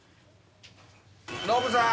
ノブさん。